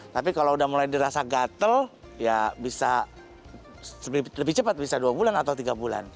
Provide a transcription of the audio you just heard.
tapi kalau udah mulai dirasa gatel ya bisa lebih cepat bisa dua bulan atau tiga bulan